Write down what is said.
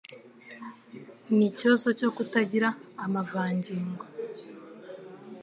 n'ikibazo cyo kutagira amavangingo